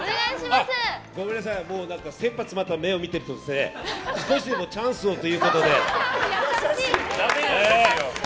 ごめんなさい切羽詰まった目を見てると少しでもチャンスをということで。